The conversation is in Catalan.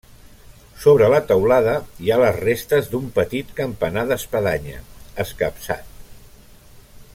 Sobre la teulada hi ha les restes d'un petit campanar d'espadanya, escapçat.